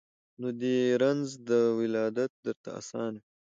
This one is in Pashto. نو دي رنځ د ولادت درته آسان وي